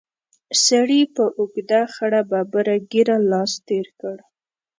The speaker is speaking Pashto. سړي په اوږده خړه ببره ږېره لاس تېر کړ.